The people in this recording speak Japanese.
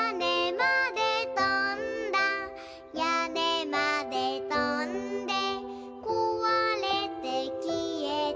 「やねまでとんでこわれてきえた」